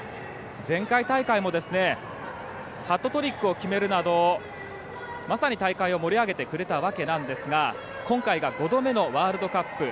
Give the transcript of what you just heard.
前回大会もハットトリックを決めるなどまさに大会を盛り上げてくれたわけなんですが今回が５度目のワールドカップ。